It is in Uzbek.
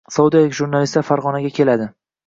Saudiyalik jurnalistlar Fargʻonaga keladi